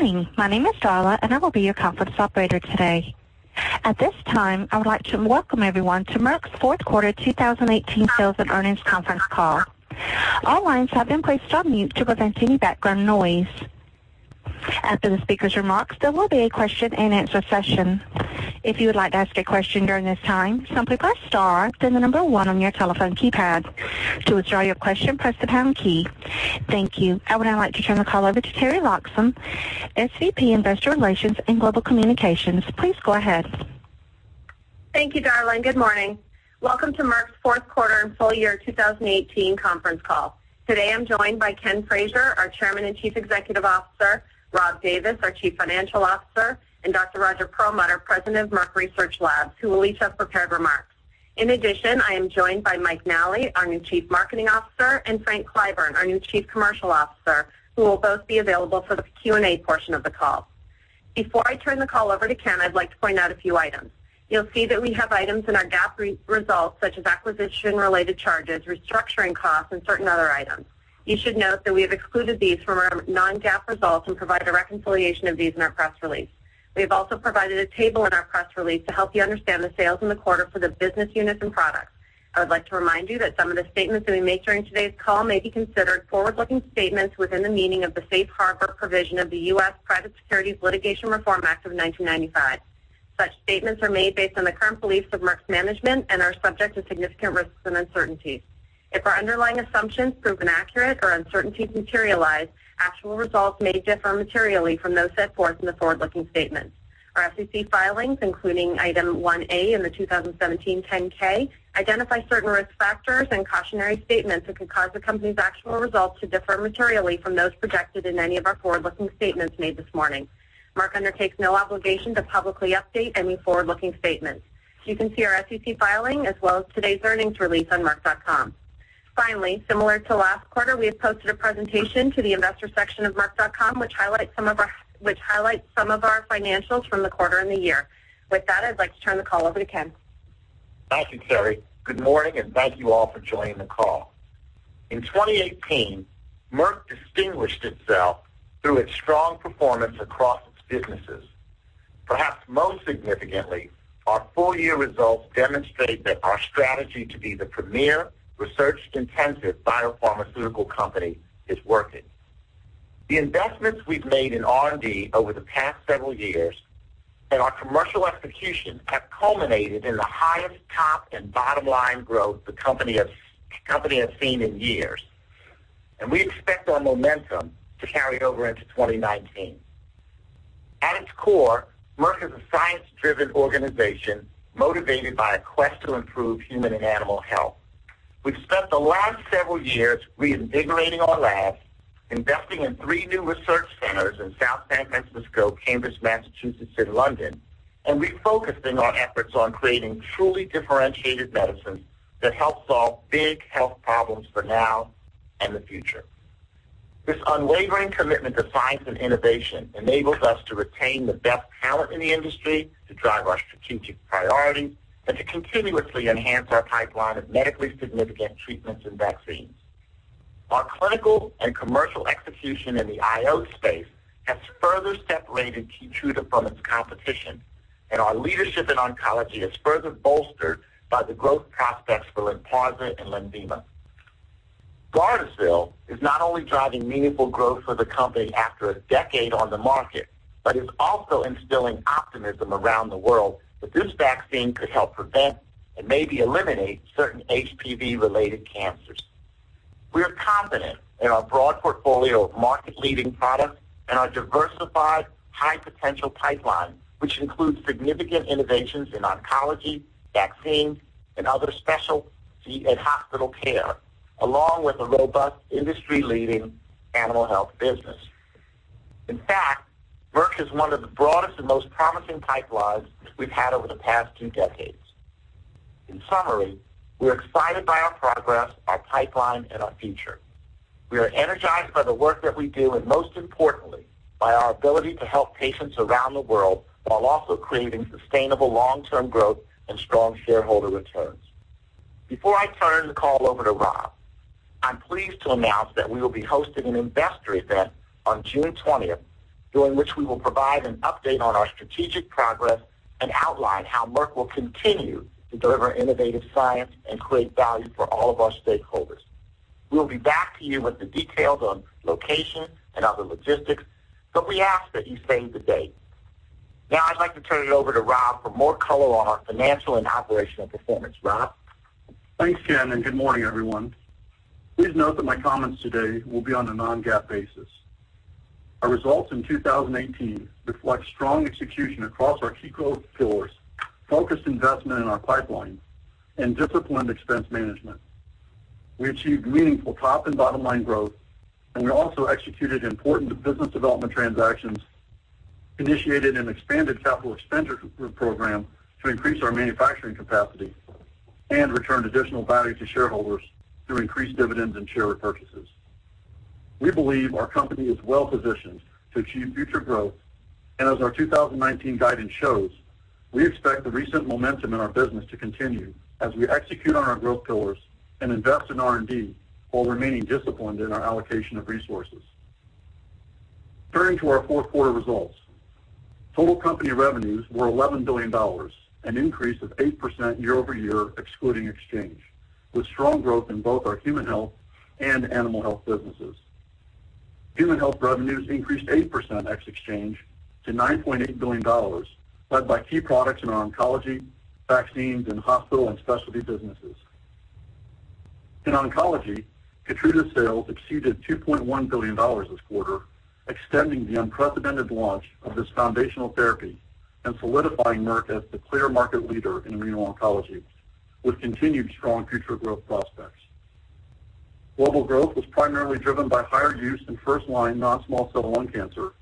Good morning. My name is Darla, and I will be your conference operator today. At this time, I would like to welcome everyone to Merck's fourth quarter 2018 sales and earnings conference call. All lines have been placed on mute to prevent any background noise. After the speaker's remarks, there will be a question-and-answer session. If you would like to ask a question during this time, simply press star, then the number one on your telephone keypad. To withdraw your question, press the pound key. Thank you. I would now like to turn the call over to Teri Loxam, SVP, Investor Relations and Global Communications. Please go ahead. Thank you, Darla. Good morning. Welcome to Merck's fourth quarter and full year 2018 conference call. Today, I'm joined by Ken Frazier, our Chairman and Chief Executive Officer, Rob Davis, our Chief Financial Officer, and Dr. Roger Perlmutter, President of Merck Research Laboratories, who will each have prepared remarks. In addition, I am joined by Mike Nally, our new Chief Marketing Officer, and Frank Clyburn, our new Chief Commercial Officer, who will both be available for the Q&A portion of the call. Before I turn the call over to Ken, I'd like to point out a few items. You'll see that we have items in our GAAP results, such as acquisition-related charges, restructuring costs, and certain other items. You should note that we have excluded these from our non-GAAP results and provide a reconciliation of these in our press release. We have also provided a table in our press release to help you understand the sales in the quarter for the business units and products. I would like to remind you that some of the statements that we make during today's call may be considered forward-looking statements within the meaning of the safe harbor provision of the U.S. Private Securities Litigation Reform Act of 1995. Such statements are made based on the current beliefs of Merck's management and are subject to significant risks and uncertainties. If our underlying assumptions prove inaccurate or uncertainties materialize, actual results may differ materially from those set forth in the forward-looking statements. Our SEC filings, including Item One A in the 2017 10-K, identify certain risk factors and cautionary statements that could cause the company's actual results to differ materially from those projected in any of our forward-looking statements made this morning. Merck undertakes no obligation to publicly update any forward-looking statements. You can see our SEC filing as well as today's earnings release on merck.com. Finally, similar to last quarter, we have posted a presentation to the investor section of merck.com, which highlights some of our financials from the quarter and the year. With that, I'd like to turn the call over to Ken. Thank you, Teri. Good morning, thank you all for joining the call. In 2018, Merck distinguished itself through its strong performance across its businesses. Perhaps most significantly, our full-year results demonstrate that our strategy to be the premier research-intensive biopharmaceutical company is working. The investments we've made in R&D over the past several years and our commercial execution have culminated in the highest top and bottom line growth the company has seen in years, we expect our momentum to carry over into 2019. At its core, Merck is a science-driven organization motivated by a quest to improve human and animal health. We've spent the last several years reinvigorating our labs, investing in three new research centers in South San Francisco, Cambridge, Massachusetts, London, refocusing our efforts on creating truly differentiated medicines that help solve big health problems for now and the future. This unwavering commitment to science and innovation enables us to retain the best talent in the industry to drive our strategic priorities to continuously enhance our pipeline of medically significant treatments and vaccines. Our clinical and commercial execution in the IO space has further separated KEYTRUDA from its competition, our leadership in oncology is further bolstered by the growth prospects for LENVIMA. GARDASIL is not only driving meaningful growth for the company after a decade on the market, but is also instilling optimism around the world that this vaccine could help prevent and maybe eliminate certain HPV-related cancers. We are confident in our broad portfolio of market-leading products, our diversified high-potential pipeline, which includes significant innovations in oncology, vaccines, other specialty and hospital care, along with a robust industry-leading animal health business. In fact, Merck has one of the broadest and most promising pipelines we've had over the past two decades. In summary, we're excited by our progress, our pipeline, our future. We are energized by the work that we do, most importantly, by our ability to help patients around the world while also creating sustainable long-term growth and strong shareholder returns. Before I turn the call over to Rob, I'm pleased to announce that we will be hosting an investor event on June 20th, during which we will provide an update on our strategic progress to outline how Merck will continue to deliver innovative science and create value for all of our stakeholders. We will be back to you with the details on location and other logistics, we ask that you save the date. Now I'd like to turn it over to Rob for more color on our financial and operational performance. Rob? Thanks, Ken, and good morning, everyone. Please note that my comments today will be on a non-GAAP basis. Our results in 2018 reflect strong execution across our key growth pillars, focused investment in our pipeline, and disciplined expense management. We achieved meaningful top and bottom line growth, and we also executed important business development transactions, initiated an expanded capital expenditure program to increase our manufacturing capacity, and returned additional value to shareholders through increased dividends and share repurchases. We believe our company is well-positioned to achieve future growth. As our 2019 guidance shows, we expect the recent momentum in our business to continue as we execute on our growth pillars and invest in R&D while remaining disciplined in our allocation of resources. Turning to our fourth quarter results. Total company revenues were $11 billion, an increase of 8% year-over-year excluding exchange, with strong growth in both our human health and animal health businesses. Human health revenues increased 8% ex exchange to $9.8 billion, led by key products in our oncology, vaccines, and hospital and specialty businesses. In oncology, KEYTRUDA sales exceeded $2.1 billion this quarter, extending the unprecedented launch of this foundational therapy and solidifying Merck as the clear market leader in renal oncology, with continued strong future growth prospects. Global growth was primarily driven by higher use in first-line non-small cell lung cancer,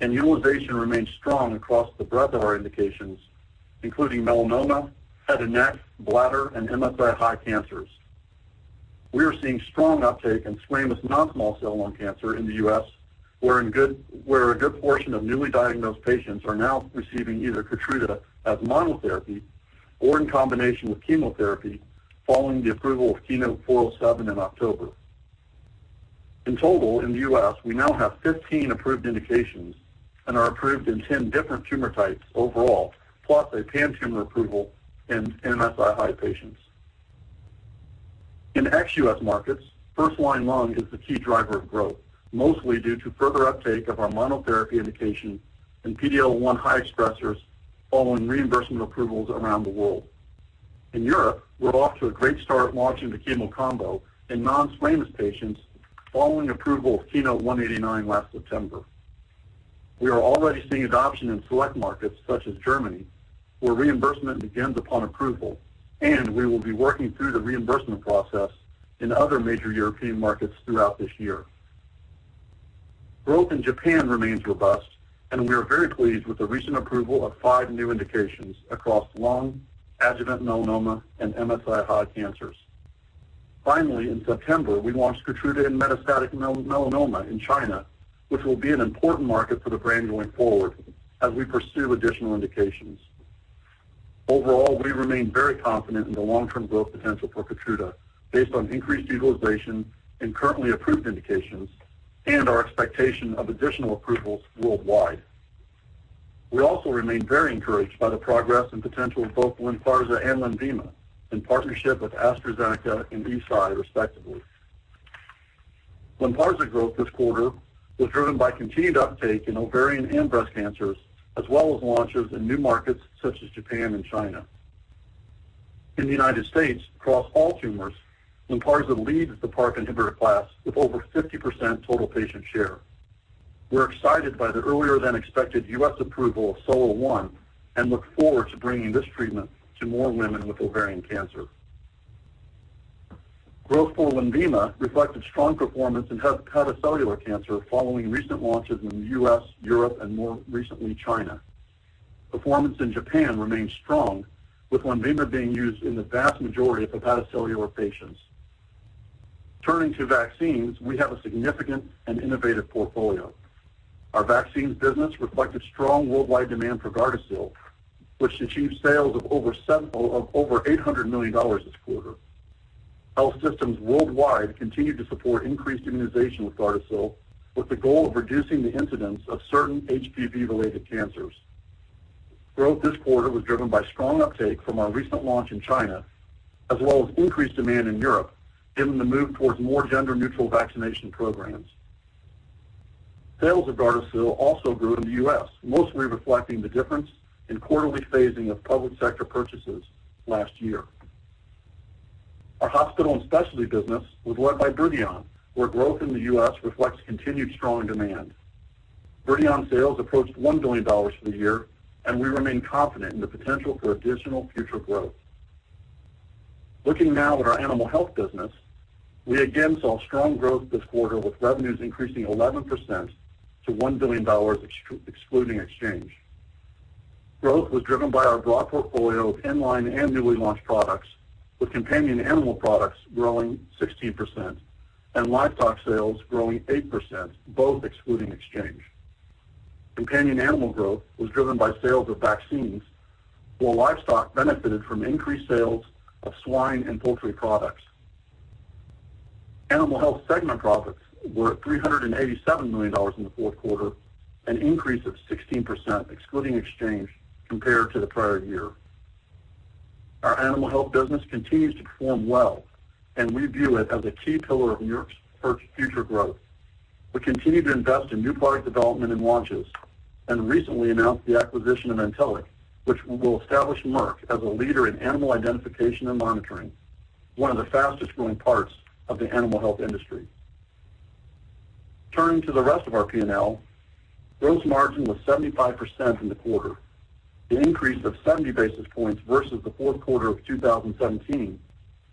and utilization remains strong across the breadth of our indications, including melanoma, head and neck, bladder, and MSI-high cancers. We are seeing strong uptake in squamous non-small cell lung cancer in the U.S., where a good portion of newly diagnosed patients are now receiving either KEYTRUDA as monotherapy or in combination with chemotherapy following the approval of KEYNOTE-407 in October. In total, in the U.S., we now have 15 approved indications and are approved in 10 different tumor types overall, plus a pan-tumor approval in MSI-high patients. In ex U.S. markets, first-line lung is the key driver of growth, mostly due to further uptake of our monotherapy indication in PD-L1 high expressers following reimbursement approvals around the world. In Europe, we're off to a great start launching the chemo combo in non-squamous patients following approval of KEYNOTE-189 last September. We are already seeing adoption in select markets such as Germany, where reimbursement begins upon approval, and we will be working through the reimbursement process in other major European markets throughout this year. Growth in Japan remains robust, and we are very pleased with the recent approval of five new indications across lung, adjuvant melanoma, and MSI-high cancers. Finally, in September, we launched KEYTRUDA in metastatic melanoma in China, which will be an important market for the brand going forward as we pursue additional indications. Overall, we remain very confident in the long-term growth potential for KEYTRUDA based on increased utilization in currently approved indications and our expectation of additional approvals worldwide. We also remain very encouraged by the progress and potential of both LYNPARZA and LENVIMA, in partnership with AstraZeneca and Eisai respectively. LYNPARZA growth this quarter was driven by continued uptake in ovarian and breast cancers, as well as launches in new markets such as Japan and China. In the U.S., across all tumors, LYNPARZA leads the PARP inhibitor class with over 50% total patient share. We're excited by the earlier-than-expected U.S. approval of SOLO-1 and look forward to bringing this treatment to more women with ovarian cancer. Growth for LENVIMA reflected strong performance in hepatocellular cancer following recent launches in the U.S., Europe, and more recently, China. Performance in Japan remains strong, with LENVIMA being used in the vast majority of hepatocellular patients. Turning to vaccines, we have a significant and innovative portfolio. Our vaccines business reflected strong worldwide demand for GARDASIL, which achieved sales of over $800 million this quarter. Health systems worldwide continue to support increased immunization with GARDASIL, with the goal of reducing the incidence of certain HPV-related cancers. Growth this quarter was driven by strong uptake from our recent launch in China, as well as increased demand in Europe, given the move towards more gender-neutral vaccination programs. Sales of GARDASIL also grew in the U.S., mostly reflecting the difference in quarterly phasing of public sector purchases last year. Our hospital and specialty business was led by BRIDION, where growth in the U.S. reflects continued strong demand. BRIDION sales approached $1 billion for the year, and we remain confident in the potential for additional future growth. Looking now at our animal health business, we again saw strong growth this quarter, with revenues increasing 11% to $1 billion excluding exchange. Growth was driven by our broad portfolio of in-line and newly launched products, with companion animal products growing 16% and livestock sales growing 8%, both excluding exchange. Companion animal growth was driven by sales of vaccines, while livestock benefited from increased sales of swine and poultry products. Animal health segment profits were at $387 million in the fourth quarter, an increase of 16%, excluding exchange, compared to the prior year. Our animal health business continues to perform well, and we view it as a key pillar of Merck's future growth. We continue to invest in new product development and launches, and recently announced the acquisition of Antelliq, which will establish Merck as a leader in animal identification and monitoring, one of the fastest-growing parts of the animal health industry. Turning to the rest of our P&L, gross margin was 75% in the quarter. The increase of 70 basis points versus the fourth quarter of 2017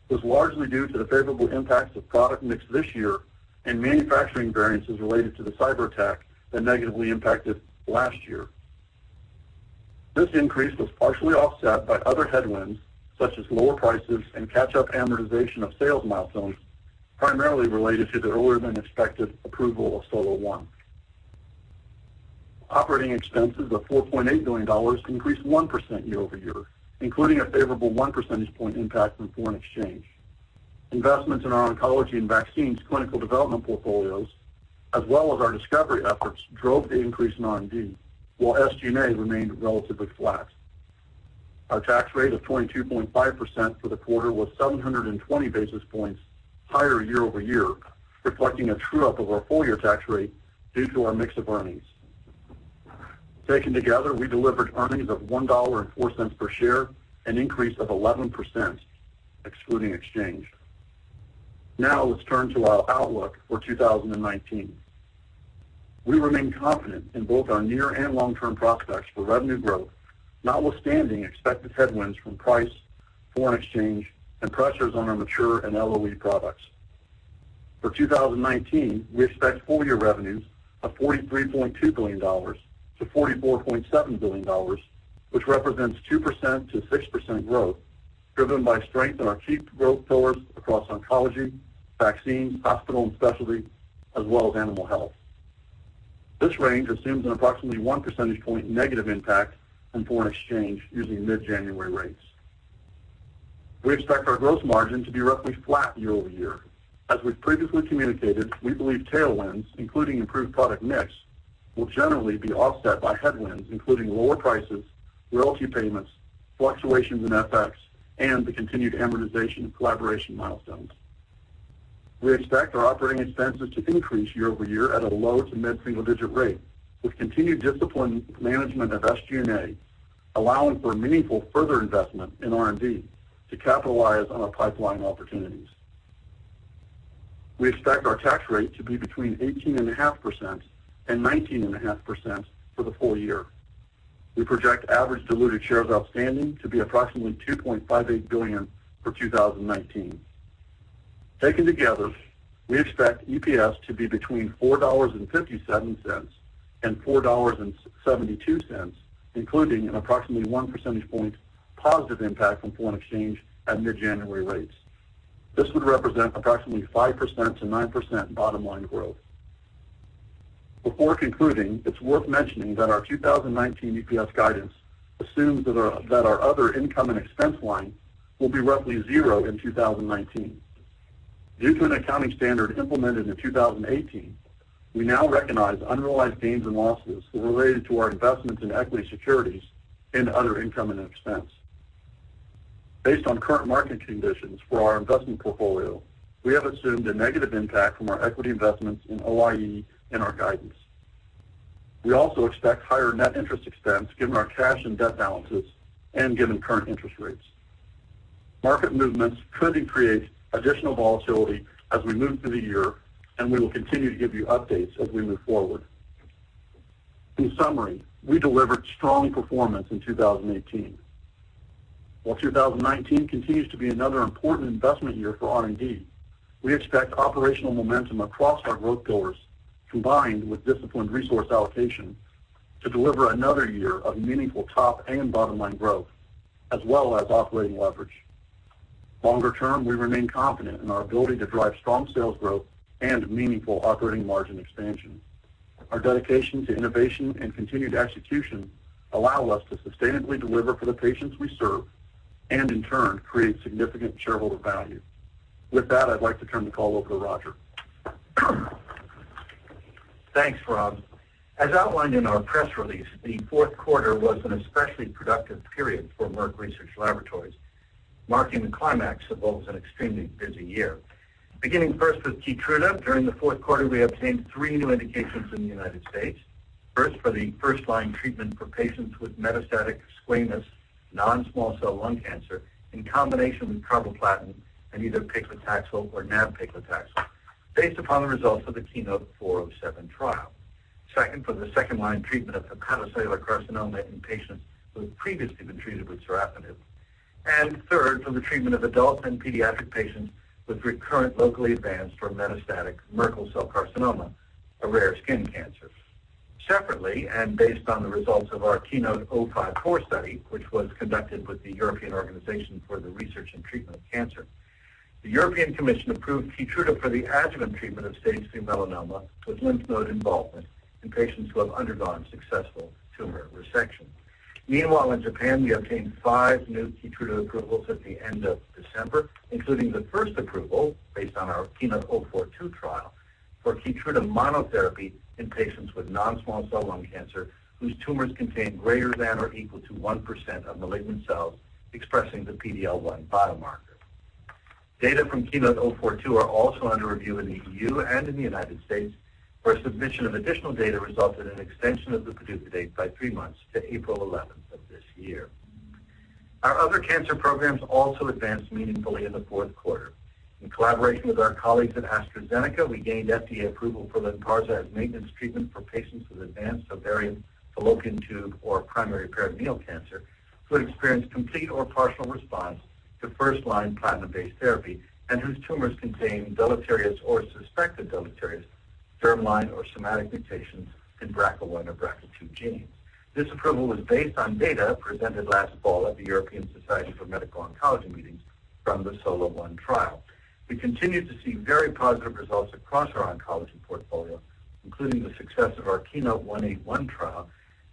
was largely due to the favorable impacts of product mix this year and manufacturing variances related to the cyber attack that negatively impacted last year. This increase was partially offset by other headwinds, such as lower prices and catch-up amortization of sales milestones, primarily related to the earlier-than-expected approval of SOLO-1. Operating expenses of $4.8 billion increased 1% year-over-year, including a favorable one percentage point impact from foreign exchange. Investments in our oncology and vaccines clinical development portfolios, as well as our discovery efforts, drove the increase in R&D, while SG&A remained relatively flat. Our tax rate of 22.5% for the quarter was 720 basis points higher year-over-year, reflecting a true-up of our full-year tax rate due to our mix of earnings. Taken together, we delivered earnings of $1.04 per share, an increase of 11%, excluding exchange. Let's turn to our outlook for 2019. We remain confident in both our near and long-term prospects for revenue growth, notwithstanding expected headwinds from price, foreign exchange, and pressures on our mature and LOE products. For 2019, we expect full-year revenues of $43.2 billion-$44.7 billion, which represents 2%-6% growth, driven by strength in our key growth pillars across oncology, vaccines, hospital and specialty, as well as animal health. This range assumes an approximately one percentage point negative impact from foreign exchange using mid-January rates. We expect our gross margin to be roughly flat year-over-year. As we've previously communicated, we believe tailwinds, including improved product mix, will generally be offset by headwinds, including lower prices, royalty payments, fluctuations in FX, and the continued amortization of collaboration milestones. We expect our operating expenses to increase year-over-year at a low- to mid-single-digit rate, with continued disciplined management of SG&A, allowing for meaningful further investment in R&D to capitalize on our pipeline opportunities. We expect our tax rate to be between 18.5%-19.5% for the full year. We project average diluted shares outstanding to be approximately 2.58 billion for 2019. Taken together, we expect EPS to be between $4.57-$4.72, including an approximately one percentage point positive impact from foreign exchange at mid-January rates. This would represent approximately 5%-9% bottom-line growth. Before concluding, it's worth mentioning that our 2019 EPS guidance assumes that our Other Income and Expense line will be roughly zero in 2019. Due to an accounting standard implemented in 2018, we now recognize unrealized gains and losses related to our investments in equity securities in Other Income and Expense. Based on current market conditions for our investment portfolio, we have assumed a negative impact from our equity investments in OI&E in our guidance. We also expect higher net interest expense given our cash and debt balances and given current interest rates. Market movements could create additional volatility as we move through the year, and we will continue to give you updates as we move forward. In summary, we delivered strong performance in 2018. While 2019 continues to be another important investment year for R&D, we expect operational momentum across our growth pillars, combined with disciplined resource allocation, to deliver another year of meaningful top and bottom-line growth, as well as operating leverage. Longer term, we remain confident in our ability to drive strong sales growth and meaningful operating margin expansion. Our dedication to innovation and continued execution allow us to sustainably deliver for the patients we serve and, in turn, create significant shareholder value. With that, I'd like to turn the call over to Roger. Thanks, Rob. As outlined in our press release, the fourth quarter was an especially productive period for Merck Research Laboratories, marking the climax of what was an extremely busy year. Beginning first with KEYTRUDA, during the fourth quarter, we obtained three new indications in the U.S. First, for the first-line treatment for patients with metastatic squamous non-small cell lung cancer in combination with carboplatin and either paclitaxel or nab-paclitaxel, based upon the results of the KEYNOTE-407 trial. Second, for the second-line treatment of hepatocellular carcinoma in patients who had previously been treated with sorafenib. Third, for the treatment of adult and pediatric patients with recurrent locally advanced or metastatic Merkel cell carcinoma, a rare skin cancer. Separately, based on the results of our KEYNOTE-054 study, which was conducted with the European Organisation for Research and Treatment of Cancer, the European Commission approved KEYTRUDA for the adjuvant treatment of stage II melanoma with lymph node involvement in patients who have undergone successful tumor resection. Meanwhile, in Japan, we obtained five new KEYTRUDA approvals at the end of December, including the first approval based on our KEYNOTE-042 trial for KEYTRUDA monotherapy in patients with non-small cell lung cancer whose tumors contain greater than or equal to 1% of malignant cells expressing the PD-L1 biomarker. Data from KEYNOTE-042 are also under review in the EU and in the U.S., where submission of additional data resulted in an extension of the PDUFA date by three months to April 11th of this year. Our other cancer programs also advanced meaningfully in the fourth quarter. In collaboration with our colleagues at AstraZeneca, we gained FDA approval for LYNPARZA as maintenance treatment for patients with advanced ovarian, fallopian tube, or primary peritoneal cancer who had experienced complete or partial response to first-line platinum-based therapy and whose tumors contained deleterious or suspected deleterious Germline or somatic mutations in BRCA1 or BRCA2 genes. This approval was based on data presented last fall at the European Society for Medical Oncology meetings from the SOLO-1 trial. We continue to see very positive results across our oncology portfolio, including the success of our KEYNOTE-181 trial,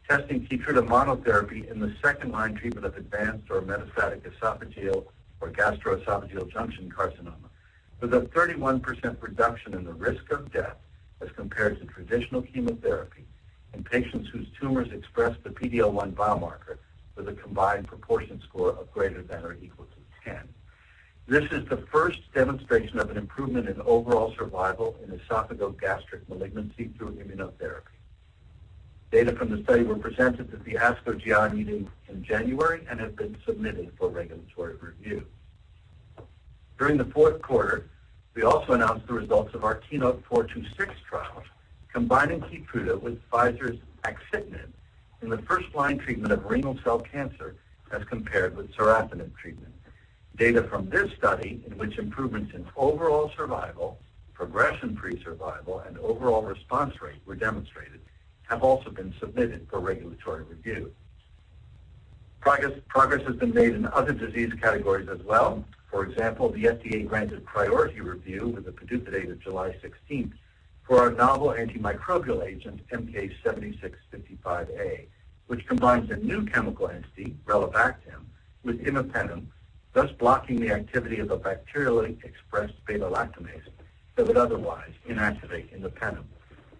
testing KEYTRUDA monotherapy in the second-line treatment of advanced or metastatic esophageal or gastroesophageal junction carcinoma, with a 31% reduction in the risk of death as compared to traditional chemotherapy in patients whose tumors express the PD-L1 biomarker with a combined proportion score of greater than or equal to 10. This is the first demonstration of an improvement in overall survival in esophageal gastric malignancy through immunotherapy. Data from the study were presented at the ASCO GI meeting in January and have been been submitted for regulatory review. During the fourth quarter, we also announced the results of our KEYNOTE-426 trial, combining KEYTRUDA with Pfizer's axitinib in the first-line treatment of renal cell carcinoma as compared with sorafenib treatment. Data from this study, in which improvements in overall survival, progression-free survival, and overall response rate were demonstrated, have also been submitted for regulatory review. Progress has been made in other disease categories as well. For example, the FDA granted priority review with a PDUFA date of July 16th for our novel antimicrobial agent, MK-7655A, which combines a new chemical entity, relebactam, with imipenem, thus blocking the activity of the bacterially expressed beta-lactamase that would otherwise inactivate imipenem.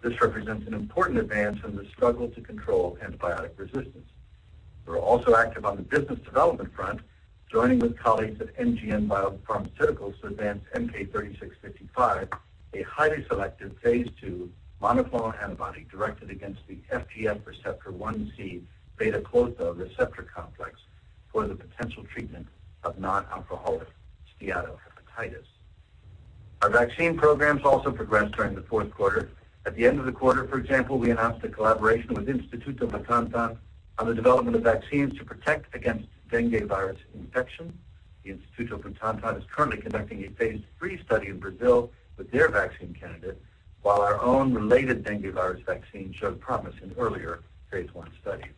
This represents an important advance in the struggle to control antibiotic resistance. We're also active on the business development front, joining with colleagues at NGM Biopharmaceuticals to advance MK-3655, a highly selective phase II monoclonal antibody directed against the FGFR1c/β-Klotho receptor complex for the potential treatment of non-alcoholic steatohepatitis. Our vaccine programs also progressed during the fourth quarter. At the end of the quarter, for example, we announced a collaboration with Instituto Butantan on the development of vaccines to protect against dengue virus infection. Instituto Butantan is currently conducting a phase III study in Brazil with their vaccine candidate, while our own related dengue virus vaccine showed promise in earlier phase I studies.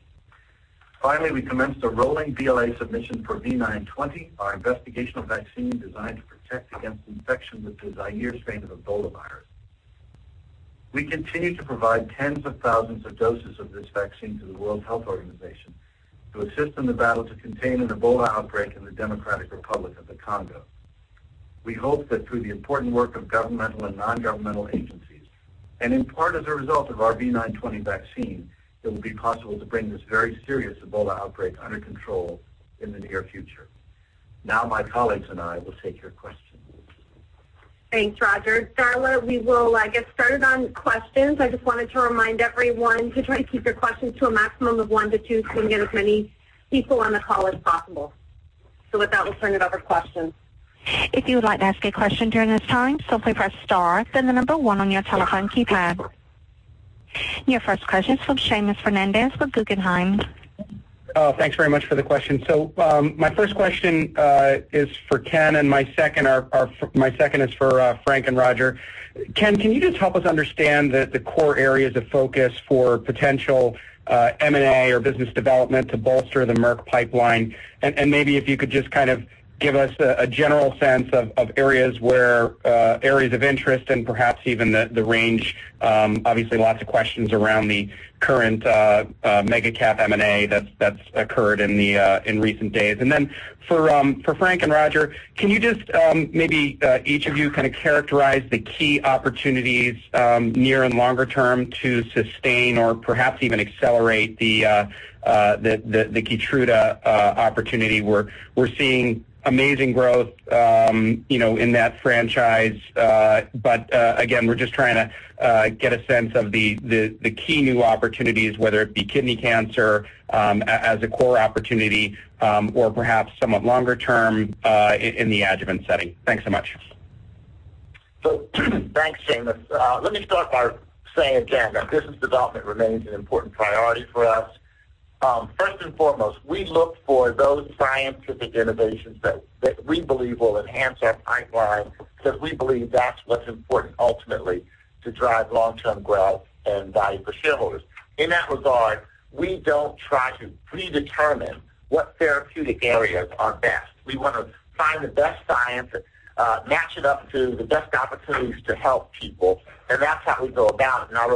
Finally, we commenced a rolling BLA submission for V920, our investigational vaccine designed to protect against infection with the Zaire strain of Ebola virus. We continue to provide tens of thousands of doses of this vaccine to the World Health Organization to assist in the battle to contain an Ebola outbreak in the Democratic Republic of the Congo. We hope that through the important work of governmental and non-governmental agencies, and in part as a result of our V920 vaccine, it will be possible to bring this very serious Ebola outbreak under control in the near future. Now my colleagues and I will take your questions. Thanks, Roger. Darla, we will get started on questions. I just wanted to remind everyone to try to keep your questions to a maximum of one to two so we can get as many people on the call as possible. With that, we'll turn it over to questions. If you would like to ask a question during this time, simply press star, then the number one on your telephone keypad. Your first question is from Seamus Fernandez with Guggenheim. Thanks very much for the question. My first question is for Ken, and my second is for Frank and Roger. Ken, can you just help us understand the core areas of focus for potential M&A or business development to bolster the Merck pipeline? Maybe if you could just kind of give us a general sense of areas of interest and perhaps even the range. Obviously, lots of questions around the current mega-cap M&A that's occurred in recent days. Then for Frank and Roger, can you just maybe each of you kind of characterize the key opportunities, near and longer term, to sustain or perhaps even accelerate the KEYTRUDA opportunity? We're seeing amazing growth in that franchise. Again, we're just trying to get a sense of the key new opportunities, whether it be kidney cancer as a core opportunity or perhaps somewhat longer term in the adjuvant setting. Thanks so much. Thanks, Seamus. Let me start by saying again that business development remains an important priority for us. First and foremost, we look for those scientific innovations that we believe will enhance our pipeline because we believe that's what's important ultimately to drive long-term growth and value for shareholders. In that regard, we don't try to predetermine what therapeutic areas are best. We want to find the best science and match it up to the best opportunities to help people, and that's how we go about it. I'll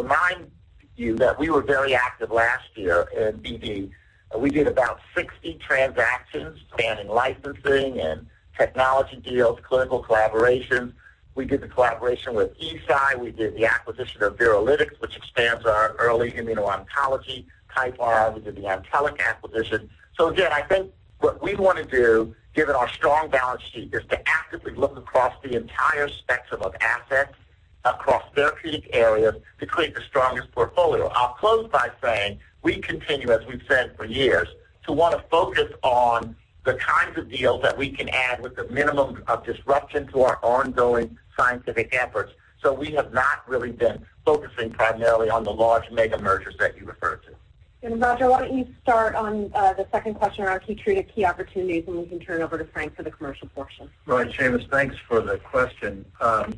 remind you that we were very active last year in BD. We did about 60 transactions spanning licensing and technology deals, clinical collaborations. We did the collaboration with Eisai. We did the acquisition of Viralytics, which expands our early immuno-oncology pipeline. We did the Antelliq acquisition. Again, I think what we want to do, given our strong balance sheet, is to actively look across the entire spectrum of assets across therapeutic areas to create the strongest portfolio. I'll close by saying we continue, as we've said for years, to want to focus on the kinds of deals that we can add with the minimum of disruption to our ongoing scientific efforts. We have not really been focusing primarily on the large mega mergers that you refer to. Roger, why don't you start on the second question around KEYTRUDA key opportunities, and we can turn over to Frank for the commercial portion. Right. Seamus, thanks for the question.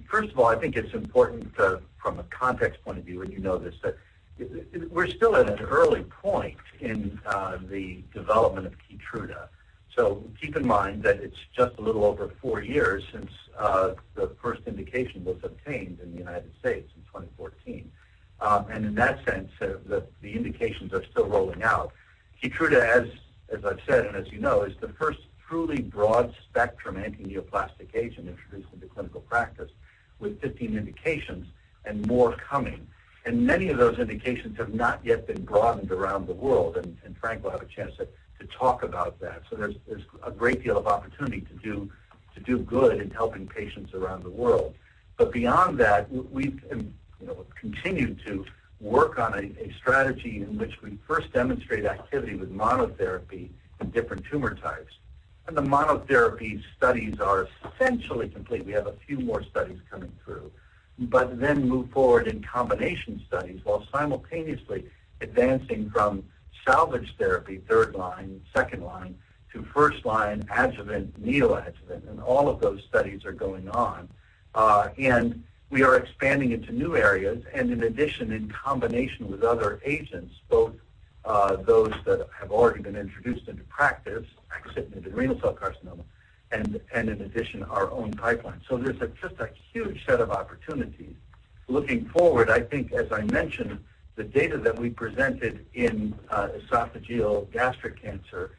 First of all, I think it's important from a context point of view, you know this, that we're still at an early point in the development of KEYTRUDA. Keep in mind that it's just a little over four years since the first indication was obtained in the U.S. in 2014. In that sense, the indications are still rolling out. KEYTRUDA, as I've said and as you know, is the first truly broad-spectrum anti-neoplastic agent introduced into clinical practice with 15 indications and more coming. Many of those indications have not yet been broadened around the world, and Frank will have a chance to talk about that. There's a great deal of opportunity to do good in helping patients around the world. Beyond that, we've continued to work on a strategy in which we first demonstrate activity with monotherapy in different tumor types. The monotherapy studies are essentially complete. We have a few more studies coming through, then move forward in combination studies while simultaneously advancing from salvage therapy, third line, second line to first line adjuvant, neoadjuvant, and all of those studies are going on. We are expanding into new areas, and in addition, in combination with other agents, both those that have already been introduced into practice, axitinib in the renal cell carcinoma, and in addition, our own pipeline. There's just a huge set of opportunities. Looking forward, I think, as I mentioned, the data that we presented in esophageal gastric cancer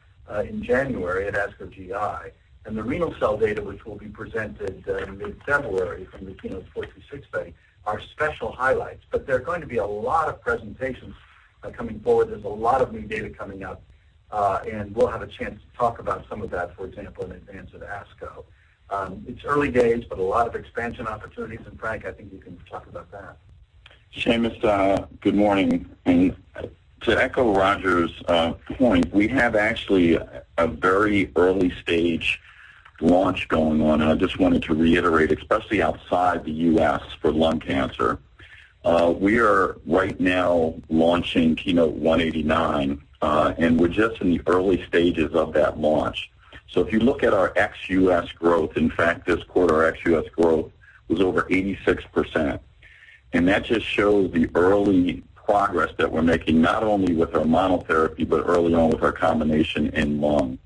in January at ASCO GI, and the renal cell data, which will be presented in mid-February from the KEYNOTE-426 study, are special highlights. There are going to be a lot of presentations coming forward. There's a lot of new data coming out. We'll have a chance to talk about some of that, for example, in advance of ASCO. It's early days, a lot of expansion opportunities. Frank, I think you can talk about that. Seamus, good morning. To echo Roger's point, we have actually a very early-stage launch going on. I just wanted to reiterate, especially outside the U.S. for lung cancer. We are right now launching KEYNOTE-189. We're just in the early stages of that launch. If you look at our ex-U.S. growth, in fact, this quarter, ex-U.S. growth was over 86%. That just shows the early progress that we're making, not only with our monotherapy, but early on with our combination in lung.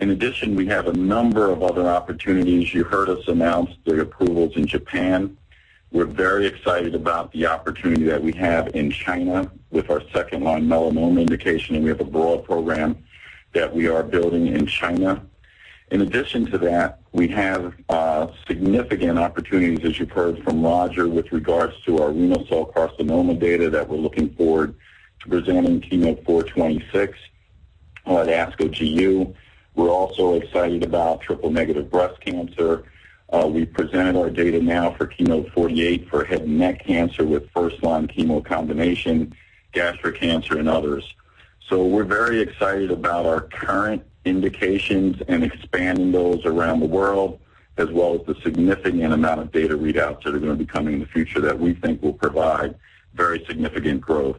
In addition, we have a number of other opportunities. You heard us announce the approvals in Japan. We're very excited about the opportunity that we have in China with our second-line melanoma indication, and we have a broad program that we are building in China. In addition to that, we have significant opportunities, as you've heard from Roger, with regards to our renal cell carcinoma data that we're looking forward to presenting in KEYNOTE-426 at ASCO GU. We're also excited about triple-negative breast cancer. We've presented our data now for KEYNOTE-048 for head and neck cancer with first-line chemo combination, gastric cancer, and others. We're very excited about our current indications and expanding those around the world, as well as the significant amount of data readouts that are going to be coming in the future that we think will provide very significant growth,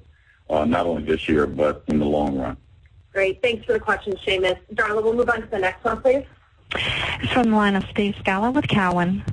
not only this year, but in the long run. Great. Thanks for the question, Seamus. Darla, we'll move on to the next one, please. From the line of Steve Scala with Cowen.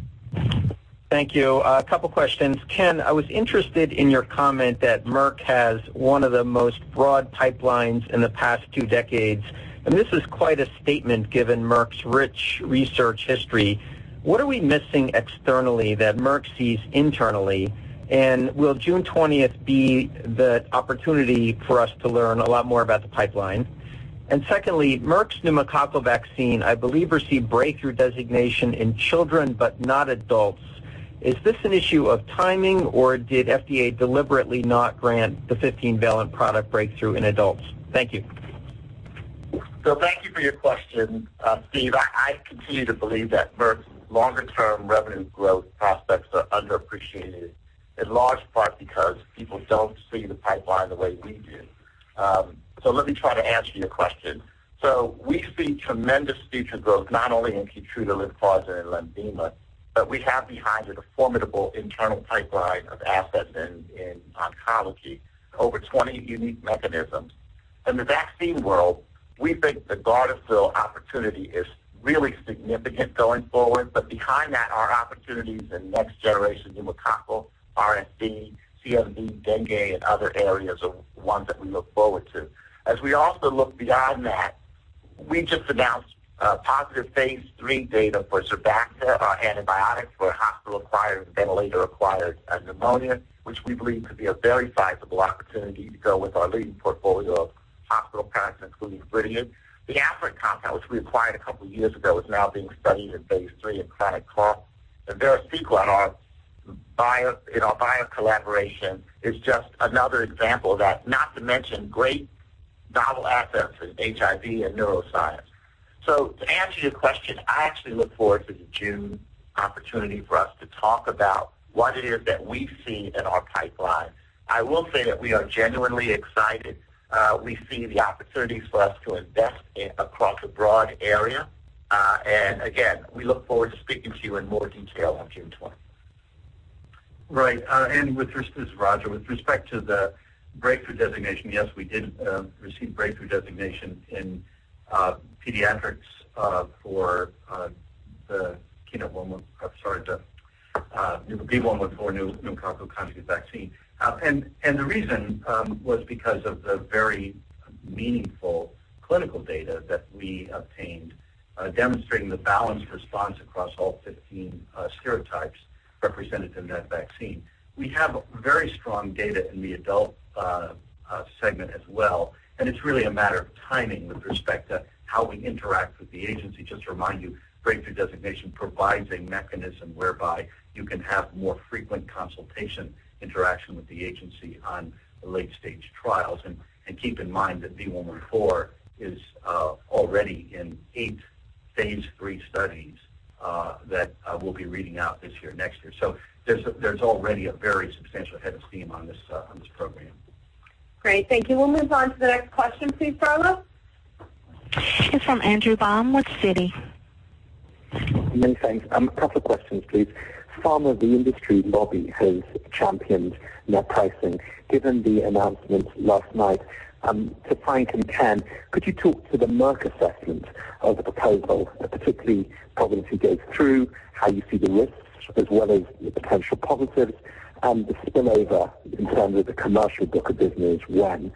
Thank you. A couple of questions. Ken, I was interested in your comment that Merck has one of the most broad pipelines in the past two decades. This is quite a statement given Merck's rich research history. What are we missing externally that Merck sees internally? Will June 20th be the opportunity for us to learn a lot more about the pipeline? Secondly, Merck's pneumococcal vaccine, I believe, received breakthrough designation in children, but not adults. Is this an issue of timing, or did FDA deliberately not grant the 15 valent product breakthrough in adults? Thank you. Thank you for your question, Steve Scala. I continue to believe that Merck's longer-term revenue growth prospects are underappreciated, in large part because people don't see the pipeline the way we do. Let me try to answer your question. We see tremendous future growth not only in KEYTRUDA, LYNPARZA, and LENVIMA, but we have behind it a formidable internal pipeline of assets in oncology, over 20 unique mechanisms. In the vaccine world, we think the GARDASIL opportunity is really significant going forward. Behind that are opportunities in next generation pneumococcal, RSV, CMV, dengue, and other areas are ones that we look forward to. As we also look beyond that, we just announced positive phase III data for ZERBAXA, our antibiotic for hospital-acquired and ventilator-acquired pneumonia, which we believe to be a very sizable opportunity to go with our leading portfolio of hospital products, including Vyvanse. The gefapixant compound, which we acquired a couple of years ago, is now being studied in phase III in chronic cough. Vericiguat in our bio-collaboration is just another example of that, not to mention great novel assets in HIV and neuroscience. To answer your question, I actually look forward to the June opportunity for us to talk about what it is that we see in our pipeline. I will say that we are genuinely excited. We see the opportunities for us to invest across a broad area. Again, we look forward to speaking to you in more detail on June 20th. Right. This is Roger. With respect to the breakthrough designation, yes, we did receive breakthrough designation in pediatrics for the pneumococcal conjugate vaccine. The reason was because of the very meaningful clinical data that we obtained, demonstrating the balanced response across all 15 stereotypes represented in that vaccine. We have very strong data in the adult segment as well, it's really a matter of timing with respect to how we interact with the agency. Just to remind you, breakthrough designation provides a mechanism whereby you can have more frequent consultation, interaction with the agency on late-stage trials. Keep in mind that V114 is already in eight phase III studies that we'll be reading out this year, next year. There's already a very substantial head of steam on this program. Great. Thank you. We'll move on to the next question, please, operator. It's from Andrew Baum with Citi. Many thanks. A couple questions, please. Pharma, the industry lobby, has championed net pricing. Given the announcements last night, to Frank and Ken, could you talk to the Merck assessment of the proposal, particularly the problems it goes through, how you see the risks, as well as the potential positives and the spillover in terms of the commercial book of business, one.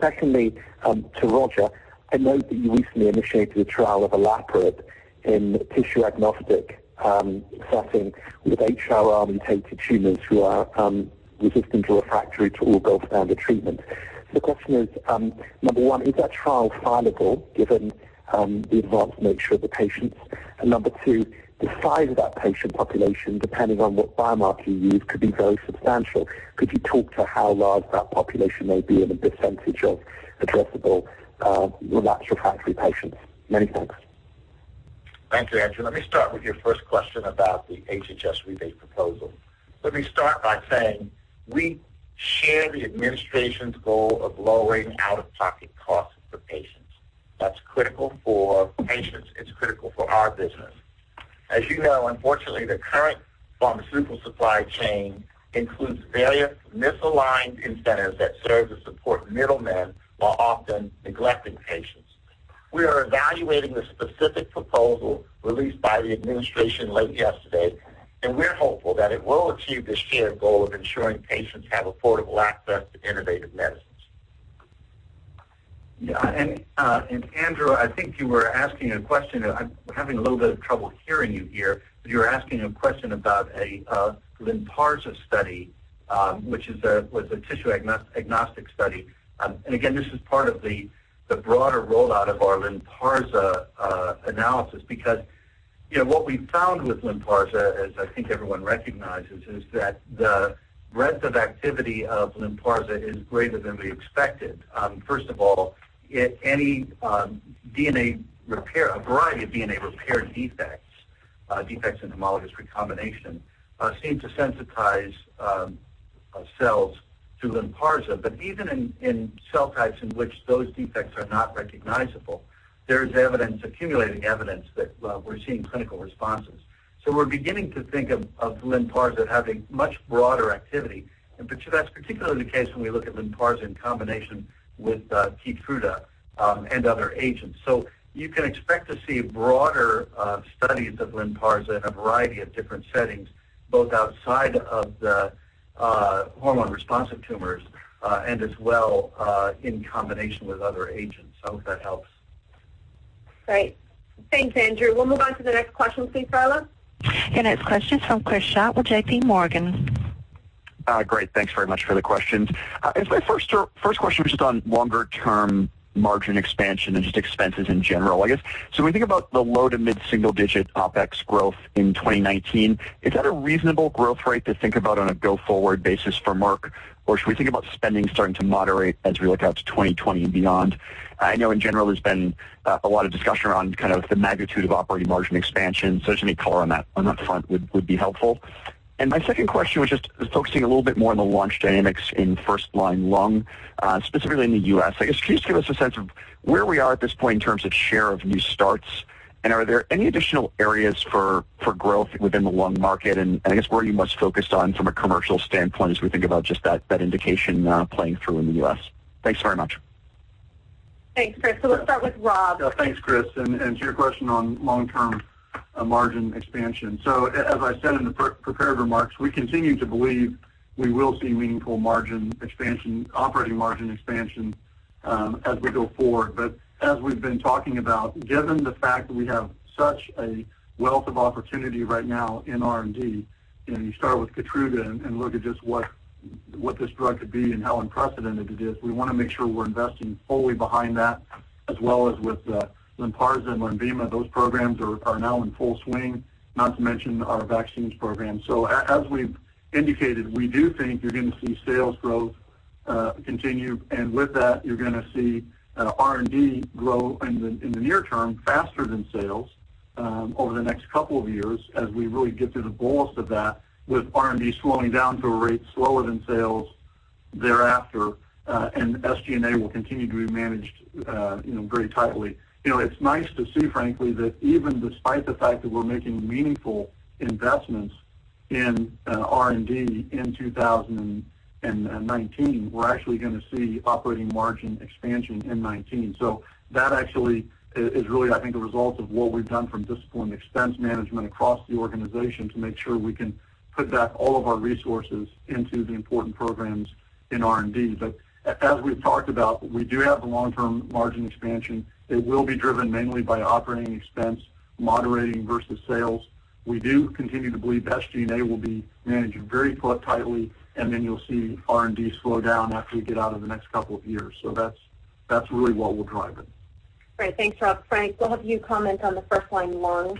Secondly, to Roger, I note that you recently initiated a trial of olaparib in a tissue-agnostic setting with HR-mutated tumors who are resistant or refractory to all gold standard treatment. The question is, number one, is that trial viable given the advanced nature of the patients? Number two, the size of that patient population, depending on what biomarker you use, could be very substantial. Could you talk to how large that population may be in a percentage of addressable relapsed refractory patients? Many thanks. Thanks, Andrew. Let me start with your first question about the HHS rebate proposal. Let me start by saying we share the administration's goal of lowering out-of-pocket costs for patients. That's critical for patients. It's critical for our business. As you know, unfortunately, the current pharmaceutical supply chain includes various misaligned incentives that serve to support middlemen, while often neglecting patients. We are evaluating the specific proposal released by the administration late yesterday, We're hopeful that it will achieve the shared goal of ensuring patients have affordable access to innovative medicines. Yeah. Andrew, I think you were asking a question, I'm having a little bit of trouble hearing you here, but you were asking a question about a LYNPARZA study, which was a tissue-agnostic study. Again, this is part of the broader rollout of our LYNPARZA analysis because what we've found with LYNPARZA, as I think everyone recognizes, is that the breadth of activity of LYNPARZA is greater than we expected. First of all, a variety of DNA repair defects in homologous recombination, seem to sensitize cells to LYNPARZA. Even in cell types in which those defects are not recognizable, there is accumulating evidence that we're seeing clinical responses. We're beginning to think of LYNPARZA having much broader activity. That's particularly the case when we look at LYNPARZA in combination with KEYTRUDA and other agents. You can expect to see broader studies of LYNPARZA in a variety of different settings, both outside of the hormone-responsive tumors and as well in combination with other agents. I hope that helps. Great. Thanks, Andrew. We'll move on to the next question please, operator. Okay. Next question is from Chris Schott with JPMorgan. Great. Thanks very much for the questions. My first question was just on longer-term margin expansion and just expenses in general, I guess. When we think about the low to mid-single digit OpEx growth in 2019, is that a reasonable growth rate to think about on a go-forward basis for Merck, or should we think about spending starting to moderate as we look out to 2020 and beyond? I know in general, there's been a lot of discussion around kind of the magnitude of operating margin expansion. Just any color on that front would be helpful. My second question was just focusing a little bit more on the launch dynamics in first-line lung, specifically in the U.S. I guess can you just give us a sense of where we are at this point in terms of share of new starts, and are there any additional areas for growth within the lung market? I guess where are you most focused on from a commercial standpoint as we think about just that indication playing through in the U.S.? Thanks very much. Thanks, Chris. Let's start with Rob. Thanks, Chris. To your question on long-term margin expansion. As I said in the prepared remarks, we continue to believe we will see meaningful operating margin expansion as we go forward. As we've been talking about, given the fact that we have such a wealth of opportunity right now in R&D, and you start with KEYTRUDA and look at just what this drug could be and how unprecedented it is, we want to make sure we're investing fully behind that as well as with LYNPARZA and LENVIMA. Those programs are now in full swing, not to mention our vaccines program. As we've indicated, we do think you're going to see sales growth continue. With that, you're going to see R&D grow in the near term faster than sales over the next couple of years as we really get through the bulk of that with R&D slowing down to a rate slower than sales Thereafter, SG&A will continue to be managed very tightly. It's nice to see, frankly, that even despite the fact that we're making meaningful investments in R&D in 2019, we're actually going to see operating margin expansion in 2019. That actually is really, I think, a result of what we've done from disciplined expense management across the organization to make sure we can put back all of our resources into the important programs in R&D. As we've talked about, we do have the long-term margin expansion. It will be driven mainly by operating expense moderating versus sales. We do continue to believe that SG&A will be managed very tightly, and then you'll see R&D slow down after we get out of the next couple of years. That's really what will drive it. Great. Thanks, Rob. Frank, we'll have you comment on the first-line lung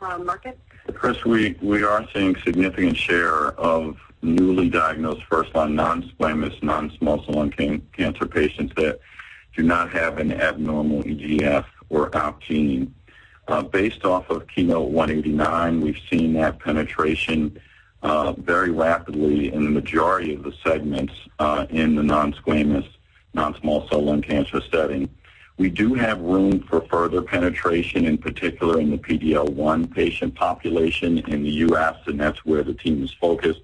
market. Chris, we are seeing significant share of newly diagnosed first-line non-squamous, non-small cell lung cancer patients that do not have an abnormal EGFR or ALK gene. Based off of KEYNOTE-189, we've seen that penetration very rapidly in the majority of the segments in the non-squamous, non-small cell lung cancer setting. We do have room for further penetration, in particular in the PD-L1 patient population in the U.S., and that's where the team is focused.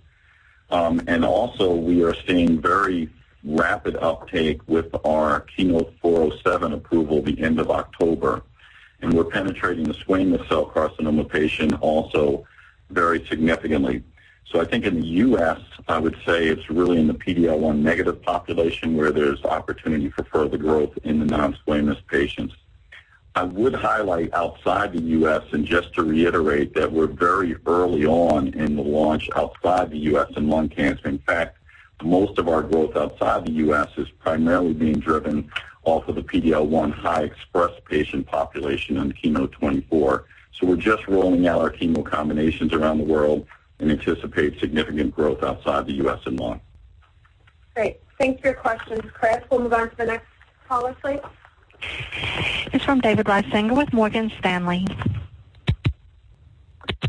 Also, we are seeing very rapid uptake with our KEYNOTE-407 approval the end of October, and we're penetrating the squamous cell carcinoma patient also very significantly. I think in the U.S., I would say it's really in the PD-L1 negative population where there's opportunity for further growth in the non-squamous patients. I would highlight outside the U.S., and just to reiterate, that we're very early on in the launch outside the U.S. in lung cancer. In fact, most of our growth outside the U.S. is primarily being driven off of the PD-L1 high express patient population on the KEYNOTE-024. We're just rolling out our chemo combinations around the world and anticipate significant growth outside the U.S. in lung. Great. Thanks for your questions, Chris. We'll move on to the next caller, please. It's from David Risinger with Morgan Stanley.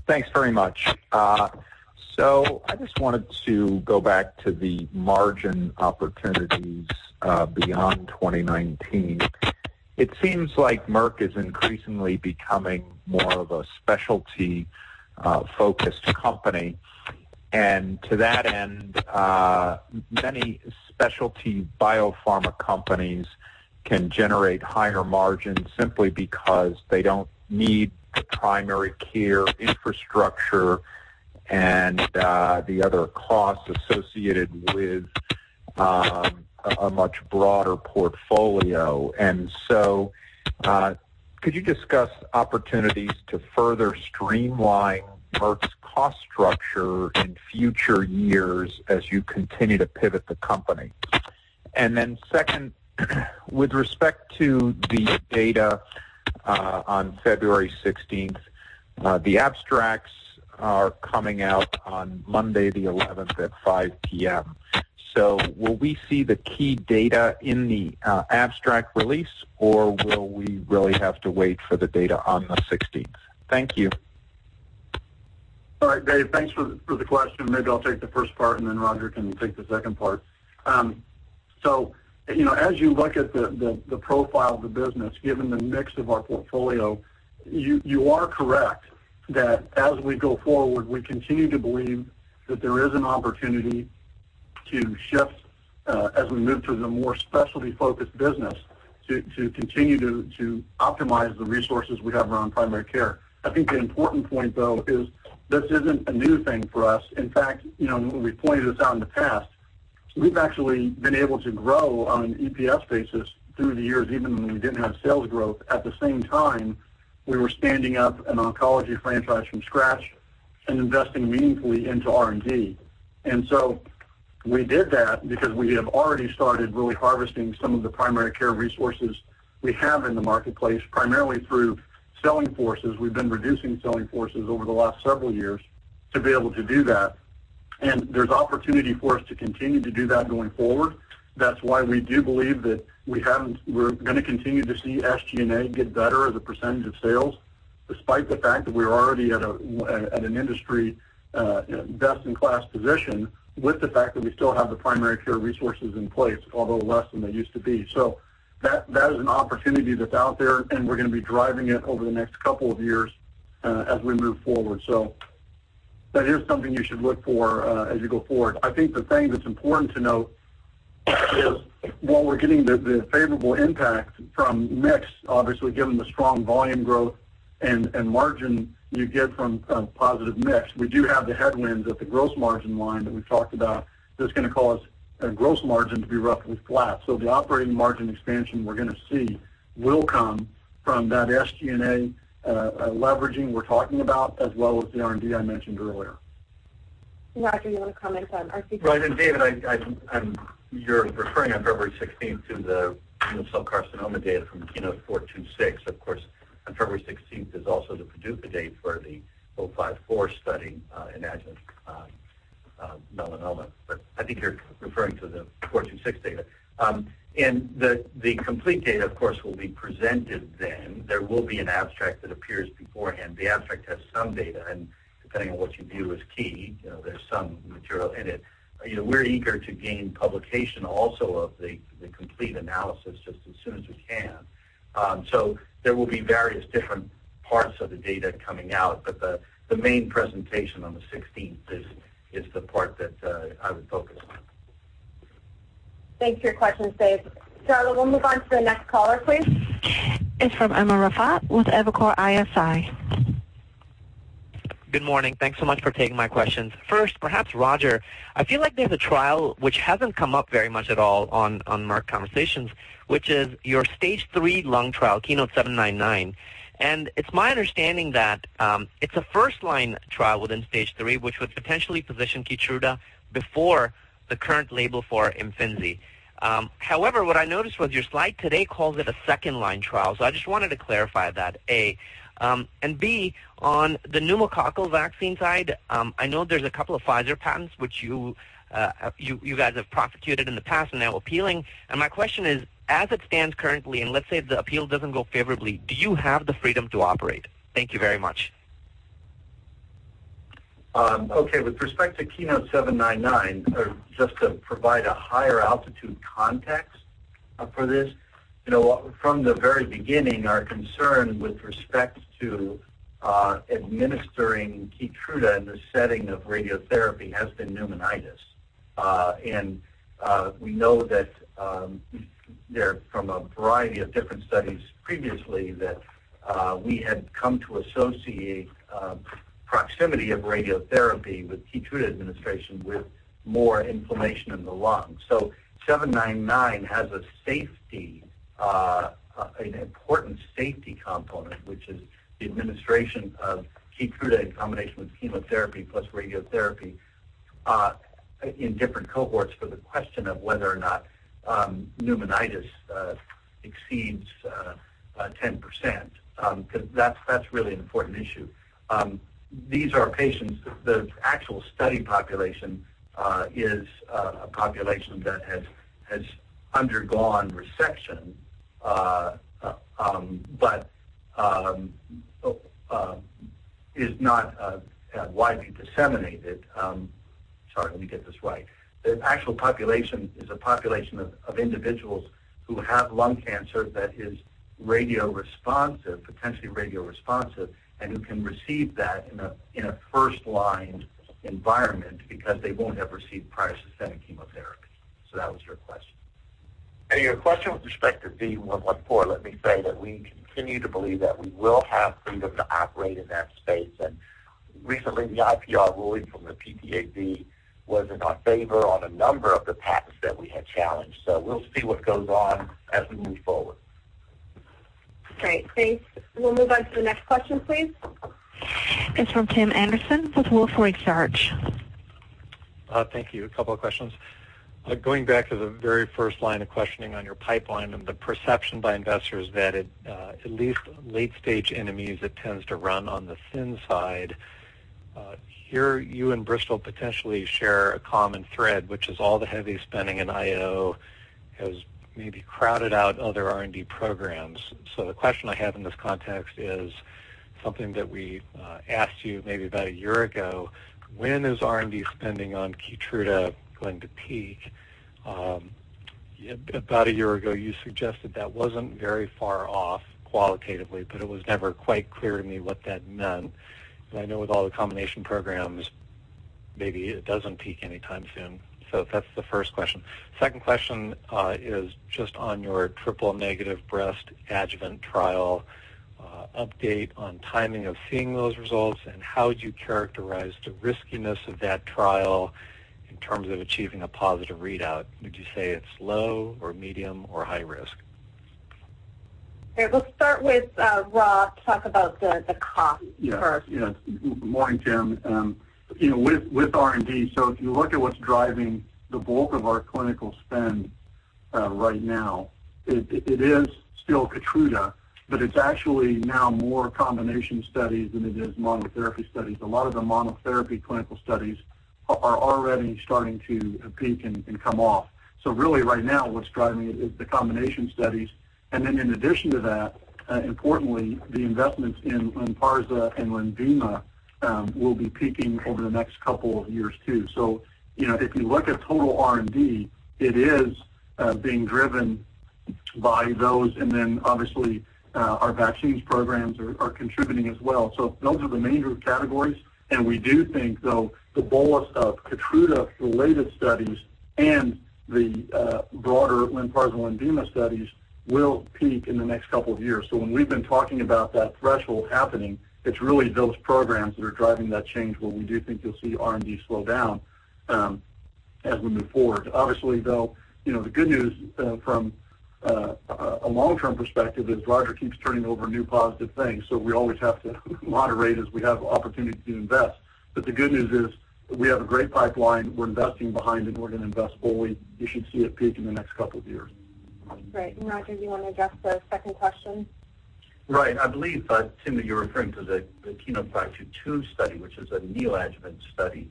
Thanks very much. I just wanted to go back to the margin opportunities beyond 2019. It seems like Merck is increasingly becoming more of a specialty-focused company. To that end, many specialty biopharma companies can generate higher margins simply because they don't need the primary care infrastructure and the other costs associated with a much broader portfolio. Could you discuss opportunities to further streamline Merck's cost structure in future years as you continue to pivot the company? Second, with respect to the data on February 16th, the abstracts are coming out on Monday the 11th at 5:00 P.M. Will we see the key data in the abstract release, or will we really have to wait for the data on the 16th? Thank you. All right, Dave, thanks for the question. Maybe I'll take the first part and then Roger can take the second part. As you look at the profile of the business, given the mix of our portfolio, you are correct that as we go forward, we continue to believe that there is an opportunity to shift as we move to the more specialty-focused business to continue to optimize the resources we have around primary care. I think the important point, though, is this isn't a new thing for us. In fact, we pointed this out in the past. We've actually been able to grow on an EPS basis through the years, even when we didn't have sales growth. At the same time, we were standing up an oncology franchise from scratch and investing meaningfully into R&D. We did that because we have already started really harvesting some of the primary care resources we have in the marketplace, primarily through selling forces. We've been reducing selling forces over the last several years to be able to do that. There's opportunity for us to continue to do that going forward. That's why we do believe that we're going to continue to see SG&A get better as a percentage of sales, despite the fact that we're already at an industry best-in-class position with the fact that we still have the primary care resources in place, although less than they used to be. That is an opportunity that's out there, and we're going to be driving it over the next couple of years as we move forward. That is something you should look for as you go forward. I think the thing that's important to note is while we're getting the favorable impact from mix, obviously, given the strong volume growth and margin you get from positive mix, we do have the headwinds at the gross margin line that we talked about that's going to cause our gross margin to be roughly flat. The operating margin expansion we're going to see will come from that SG&A leveraging we're talking about, as well as the R&D I mentioned earlier. Roger, you want to comment on RC? David, you're referring on February 16th to the squamous cell carcinoma data from KEYNOTE-426, of course. February 16th is also the PDUFA date for the 054 study in adjuvant melanoma. I think you're referring to the 426 data. The complete data, of course, will be presented then. There will be an abstract that appears beforehand. The abstract has some data, and depending on what you view as key, there's some material in it. We're eager to gain publication also of the complete analysis just as soon as we can. There will be various different parts of the data coming out. The main presentation on the 16th is the part that I would focus on. Thanks for your question, Dave. Charlotte, we'll move on to the next caller, please. It's from Umer Raffat with Evercore ISI. Good morning. Thanks so much for taking my questions. Perhaps Roger, I feel like there's a trial which hasn't come up very much at all on Merck Conversations, which is your stage 3 lung trial, KEYNOTE-799. It's my understanding that it's a first-line trial within stage 3, which would potentially position KEYTRUDA before the current label for IMFINZI. What I noticed was your slide today calls it a second-line trial. I just wanted to clarify that, A. B, on the pneumococcal vaccine side, I know there's a couple of Pfizer patents, which you guys have prosecuted in the past and now appealing. My question is, as it stands currently, and let's say the appeal doesn't go favorably, do you have the freedom to operate? Thank you very much. With respect to KEYNOTE-799, or just to provide a higher altitude context for this. From the very beginning, our concern with respect to administering KEYTRUDA in the setting of radiotherapy has been pneumonitis. We know that from a variety of different studies previously that we had come to associate proximity of radiotherapy with KEYTRUDA administration with more inflammation in the lungs. 799 has an important safety component, which is the administration of KEYTRUDA in combination with chemotherapy plus radiotherapy, in different cohorts for the question of whether or not pneumonitis exceeds 10%, because that's really an important issue. The actual study population is a population that has undergone resection, but is not widely disseminated. Sorry, let me get this right. The actual population is a population of individuals who have lung cancer that is radio-responsive, potentially radio-responsive, and who can receive that in a first-line environment because they won't have received prior systemic chemotherapy. That was your question. Your question with respect to V114, let me say that we continue to believe that we will have freedom to operate in that space. Recently, the IPR ruling from the PTAB was in our favor on a number of the patents that we had challenged. We'll see what goes on as we move forward. Great. Thanks. We'll move on to the next question, please. It's from Tim Anderson with Wolfe Research. Thank you. A couple of questions. Going back to the very first line of questioning on your pipeline and the perception by investors that at least late-stage NMEs, it tends to run on the thin side. Here, you and Bristol potentially share a common thread, which is all the heavy spending in IO has maybe crowded out other R&D programs. The question I have in this context is something that we asked you maybe about a year ago. When is R&D spending on KEYTRUDA going to peak? About a year ago, you suggested that wasn't very far off qualitatively, but it was never quite clear to me what that meant. I know with all the combination programs, maybe it doesn't peak anytime soon. That's the first question. Second question is just on your triple-negative breast adjuvant trial. Update on timing of seeing those results. How would you characterize the riskiness of that trial in terms of achieving a positive readout? Would you say it's low or medium or high risk? Okay. We'll start with Rob to talk about the cost first. Yes. Morning, Tim. With R&D, if you look at what's driving the bulk of our clinical spend right now, it is still KEYTRUDA, but it's actually now more combination studies than it is monotherapy studies. A lot of the monotherapy clinical studies are already starting to peak and come off. Really right now, what's driving it is the combination studies. In addition to that, importantly, the investments in LYNPARZA and LENVIMA will be peaking over the next couple of years, too. If you look at total R&D, it is being driven by those. Obviously, our vaccines programs are contributing as well. Those are the major categories. We do think, though, the bolus of KEYTRUDA-related studies and the broader LYNPARZA and LENVIMA studies will peak in the next couple of years. When we've been talking about that threshold happening, it's really those programs that are driving that change where we do think you'll see R&D slow down as we move forward. Obviously, though, the good news from a long-term perspective is Roger keeps turning over new positive things. We always have to moderate as we have opportunities to invest. The good news is we have a great pipeline, we're investing behind it, and we're going to invest fully. You should see it peak in the next couple of years. Great. Roger, do you want to address the second question? Right. I believe, Tim, that you're referring to the KEYNOTE-522 study, which is a neoadjuvant study.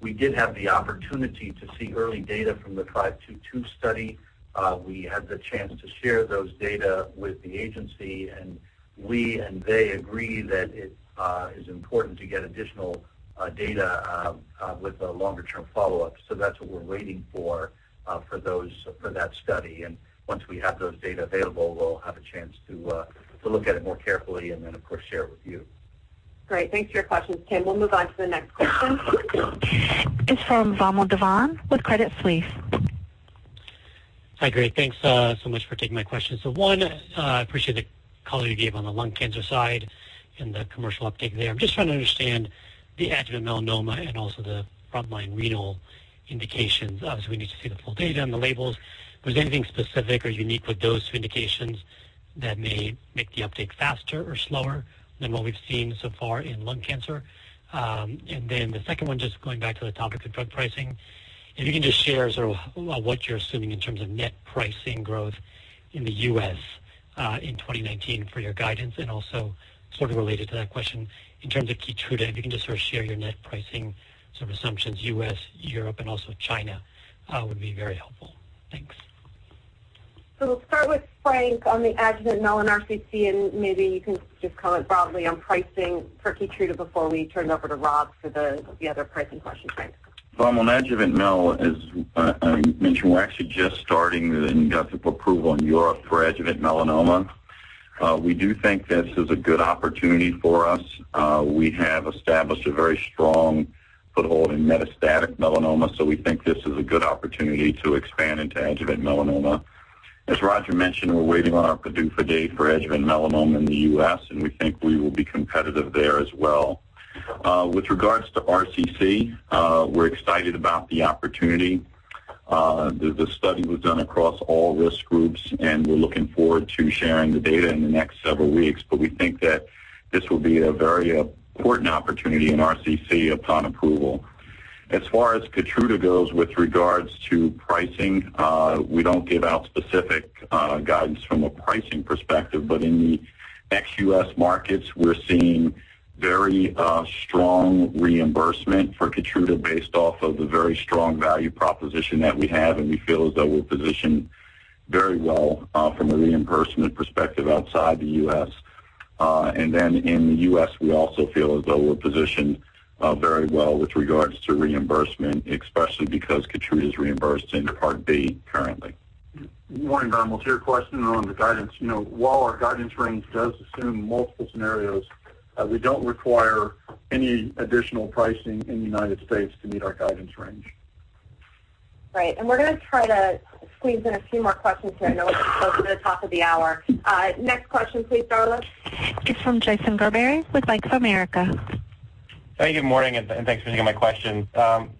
We did have the opportunity to see early data from the 522 study. We had the chance to share those data with the agency, and we and they agree that it is important to get additional data with a longer-term follow-up. That's what we're waiting for that study. Once we have those data available, we'll have a chance to look at it more carefully and then, of course, share it with you. Great. Thanks for your questions, Tim. We'll move on to the next question. It's from Vamil Divan with Credit Suisse. Hi, great. Thanks so much for taking my question. One, I appreciate the color you gave on the lung cancer side and the commercial update there. I'm just trying to understand the adjuvant melanoma and also the frontline renal indications. Obviously, we need to see the full data on the labels. Was there anything specific or unique with those two indications that may make the update faster or slower than what we've seen so far in lung cancer? The second one, just going back to the topic of drug pricing, if you can just share sort of what you're assuming in terms of net pricing growth in the U.S. in 2019 for your guidance and also sort of related to that question, in terms of KEYTRUDA, if you can just sort of share your net pricing sort of assumptions, U.S., Europe, and also China, would be very helpful. Thanks. We'll start with Frank on the adjuvant mel and RCC, and maybe you can just color broadly on pricing for KEYTRUDA before we turn it over to Rob for the other pricing question. Frank? Vamil, on adjuvant mel, as I mentioned, we're actually just starting the inductive approval in Europe for adjuvant melanoma. We do think this is a good opportunity for us. We have established a very strong foothold in metastatic melanoma, we think this is a good opportunity to expand into adjuvant melanoma. As Roger mentioned, we're waiting on our PDUFA date for adjuvant melanoma in the U.S., we think we will be competitive there as well. With regards to RCC, we're excited about the opportunity. The study was done across all risk groups, we're looking forward to sharing the data in the next several weeks. We think that this will be a very important opportunity in RCC upon approval. As far as KEYTRUDA goes, with regards to pricing, we don't give out specific guidance from a pricing perspective. In the ex-U.S. markets, we're seeing very strong reimbursement for KEYTRUDA based off of the very strong value proposition that we have, and we feel as though we're positioned very well from a reimbursement perspective outside the U.S. In the U.S., we also feel as though we're positioned very well with regards to reimbursement, especially because KEYTRUDA is reimbursed in Part B currently. Morning, Vamil. To your question on the guidance, while our guidance range does assume multiple scenarios, we don't require any additional pricing in the United States to meet our guidance range. Right. We're going to try to squeeze in a few more questions here. I know we're close to the top of the hour. Next question, please, operator. It's from Jason Gerberry with Bank of America. Good morning, and thanks for taking my question.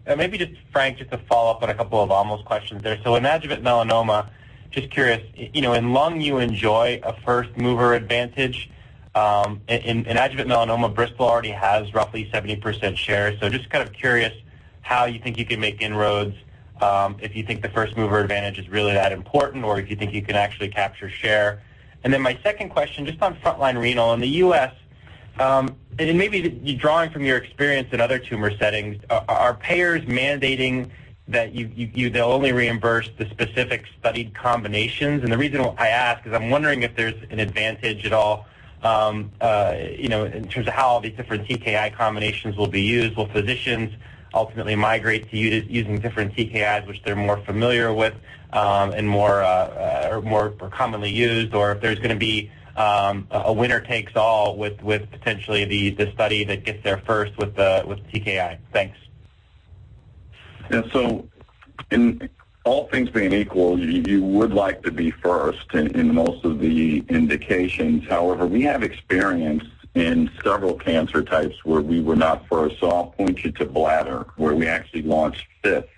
Maybe just Frank, just to follow up on a couple of Vamil's questions there. In adjuvant melanoma, just curious, in lung, you enjoy a first-mover advantage. In adjuvant melanoma, Bristol already has roughly 70% share. Just kind of curious how you think you can make inroads, if you think the first-mover advantage is really that important, or if you think you can actually capture share. My second question, just on frontline renal. In the U.S., and it may be drawing from your experience in other tumor settings, are payers mandating that they'll only reimburse the specific studied combinations? The reason I ask is I'm wondering if there's an advantage at all in terms of how these different TKI combinations will be used. Will physicians ultimately migrate to using different TKIs, which they're more familiar with or more commonly used? Or if there's going to be a winner-takes-all with potentially the study that gets there first with TKI. Thanks. Yeah. In all things being equal, you would like to be first in most of the indications. However, we have experience in several cancer types where we were not first. I'll point you to bladder, where we actually launched fifth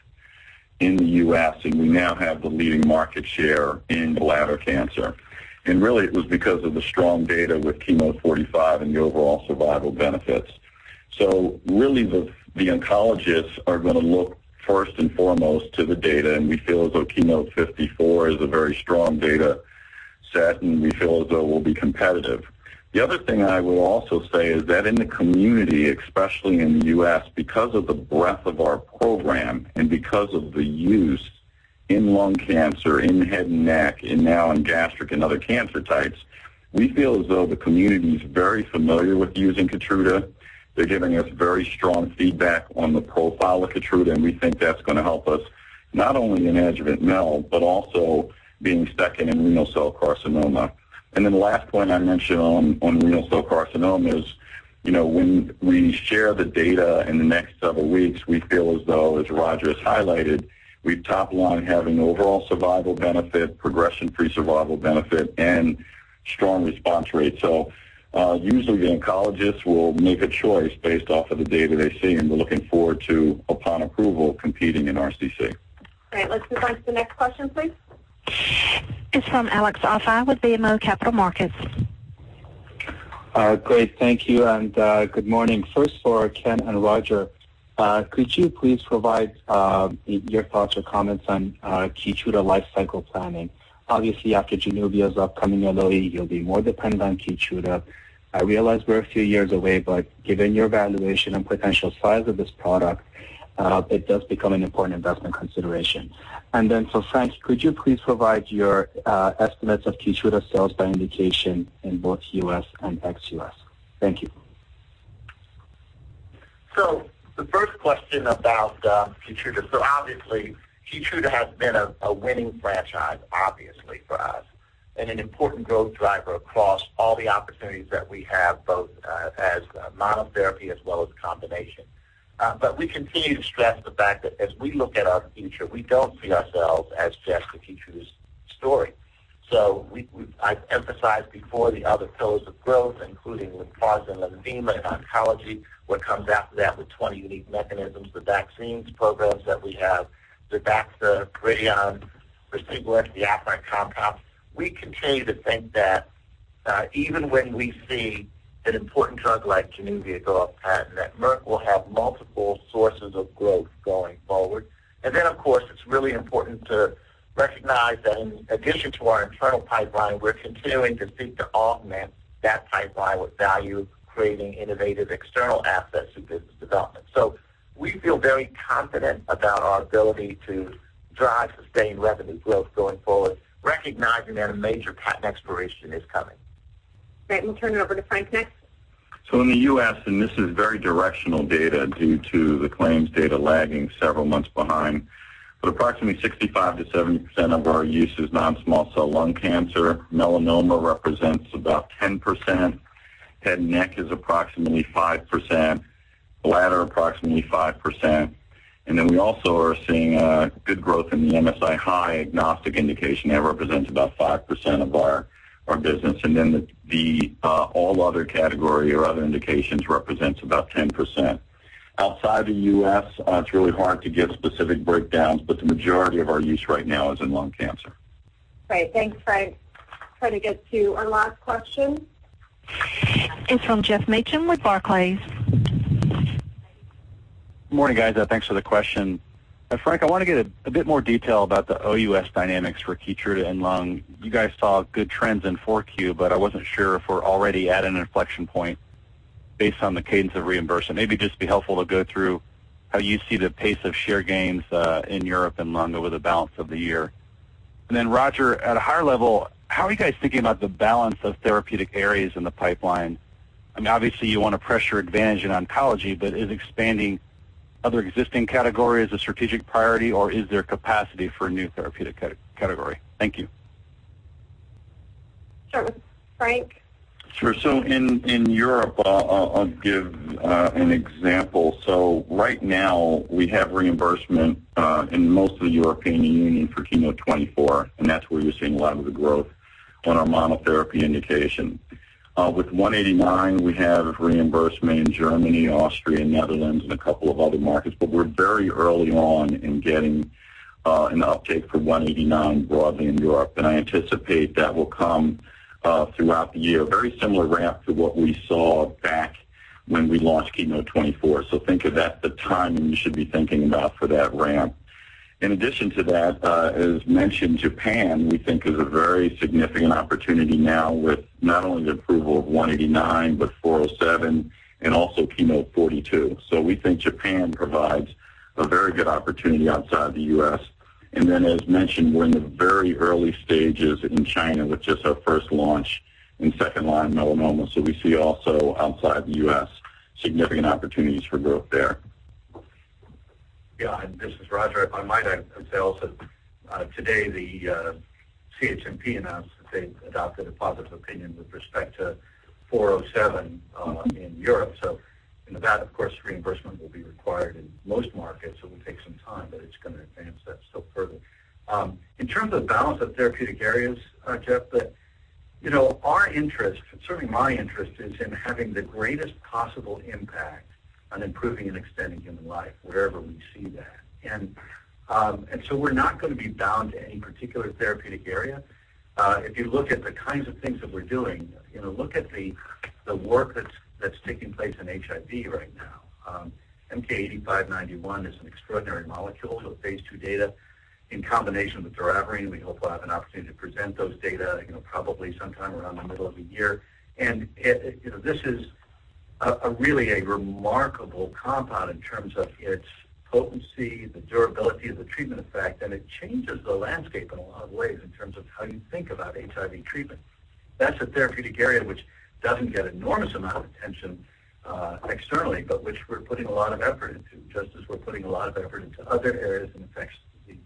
in the U.S., and we now have the leading market share in bladder cancer. Really, it was because of the strong data with KEYNOTE-045 and the overall survival benefits. Really, the oncologists are going to look first and foremost to the data, and we feel as though KEYNOTE-054 is a very strong data set, and we feel as though we'll be competitive. The other thing I will also say is that in the community, especially in the U.S., because of the breadth of our program and because of the use in lung cancer, in head and neck, and now in gastric and other cancer types, we feel as though the community is very familiar with using KEYTRUDA. They're giving us very strong feedback on the profile of KEYTRUDA, and we think that's going to help us not only in adjuvant mel, but also being second in renal cell carcinoma. Then the last point I mentioned on renal cell carcinoma is when we share the data in the next several weeks, we feel as though, as Roger has highlighted, we top-line have an overall survival benefit, progression-free survival benefit, and strong response rates. Usually, the oncologists will make a choice based off of the data they see, and we're looking forward to, upon approval, competing in RCC. Great. Let's move on to the next question, please. It's from Alex Arfaei with BMO Capital Markets. Great, thank you, and good morning. First for Ken and Roger, could you please provide your thoughts or comments on KEYTRUDA life cycle planning? Obviously, after JANUVIA's upcoming LOE, you'll be more dependent on KEYTRUDA. I realize we're a few years away, but given your valuation and potential size of this product, it does become an important investment consideration. Then Frank, could you please provide your estimates of KEYTRUDA sales by indication in both U.S. and ex-U.S.? Thank you. The first question about KEYTRUDA, obviously KEYTRUDA has been a winning franchise, obviously for us, and an important growth driver across all the opportunities that we have, both as monotherapy as well as combination. We continue to stress the fact that as we look at our future, we don't see ourselves as just a KEYTRUDA story. I've emphasized before the other pillars of growth, including with LYNPARZA, LENVIMA, and oncology, what comes after that with 20 unique mechanisms, the vaccines programs that we have, ZERBAXA, BRIDION, [and other pipeline compounds]. We continue to think that even when we see an important drug like JANUVIA go off patent, that Merck will have multiple sources of growth going forward. Of course, it's really important to recognize that in addition to our internal pipeline, we're continuing to seek to augment that pipeline with value-creating innovative external assets through business development. We feel very confident about our ability to drive sustained revenue growth going forward, recognizing that a major patent expiration is coming. Great. We'll turn it over to Frank next. In the U.S., and this is very directional data due to the claims data lagging several months behind, but approximately 65%-70% of our use is non-small cell lung cancer. Melanoma represents about 10%, head and neck is approximately 5%, bladder approximately 5%. We also are seeing good growth in the MSI-high agnostic indication. That represents about 5% of our business, and then the all other category or other indications represents about 10%. Outside the U.S., it's really hard to give specific breakdowns, but the majority of our use right now is in lung cancer. Great. Thanks, Frank. Try to get to our last question. It's from Geoff Meacham with Barclays. Morning, guys. Thanks for the question. Frank, I want to get a bit more detail about the OUS dynamics for KEYTRUDA and lung. I wasn't sure if we're already at an inflection point based on the cadence of reimbursement. Just be helpful to go through how you see the pace of share gains in Europe and lung over the balance of the year. Then Roger, at a higher level, how are you guys thinking about the balance of therapeutic areas in the pipeline? Obviously, you want to press your advantage in oncology, but is expanding other existing categories a strategic priority, or is there capacity for a new therapeutic category? Thank you. Sure. Frank? Sure. In Europe, I'll give an example. Right now we have reimbursement in most of the European Union for KEYNOTE-024, and that's where we're seeing a lot of the growth on our monotherapy indication. With 189, we have reimbursement in Germany, Austria, Netherlands, and a couple of other markets. We're very early on in getting an uptake for 189 broadly in Europe. I anticipate that will come throughout the year. Very similar ramp to what we saw back when we launched KEYNOTE-024. Think of that, the timing you should be thinking about for that ramp. In addition to that, as mentioned, Japan we think is a very significant opportunity now with not only the approval of 189, but 407 and also KEYNOTE-042. We think Japan provides a very good opportunity outside the U.S. As mentioned, we're in the very early stages in China with just our first launch in second-line melanoma. We see also outside the U.S., significant opportunities for growth there. This is Roger. If I might add themselves, today the CHMP announced that they've adopted a positive opinion with respect to 407 in Europe. In that, of course, reimbursement will be required in most markets, so it will take some time, but it's going to advance that still further. In terms of balance of therapeutic areas, Geoff, our interest, certainly my interest, is in having the greatest possible impact on improving and extending human life wherever we see that. We're not going to be bound to any particular therapeutic area. If you look at the kinds of things that we're doing, look at the work that's taking place in HIV right now. MK-8591 is an extraordinary molecule with phase II data in combination with doravirine. We hope we'll have an opportunity to present those data probably sometime around the middle of the year. This is really a remarkable compound in terms of its potency, the durability of the treatment effect, and it changes the landscape in a lot of ways in terms of how you think about HIV treatment. That's a therapeutic area which doesn't get enormous amount of attention externally, but which we're putting a lot of effort into, just as we're putting a lot of effort into other areas in infectious disease.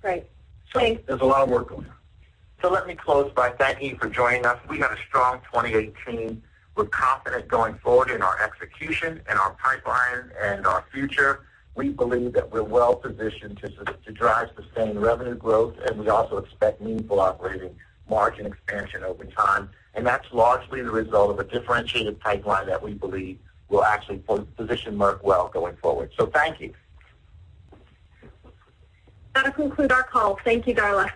Great. Thanks. There's a lot of work going on. Let me close by thanking you for joining us. We had a strong 2018. We're confident going forward in our execution and our pipeline and our future. We believe that we're well-positioned to drive sustained revenue growth, and we also expect meaningful operating margin expansion over time. That's largely the result of a differentiated pipeline that we believe will actually position Merck well going forward. Thank you. That'll conclude our call. Thank you, Darla.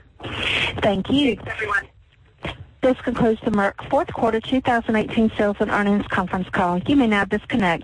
Thank you. Thanks, everyone. This concludes the Merck Fourth Quarter 2018 Sales and Earnings Conference Call. You may now disconnect.